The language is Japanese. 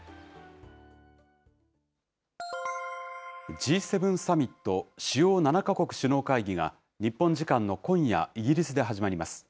Ｇ７サミット・主要７か国首脳会議が、日本時間の今夜、イギリスで始まります。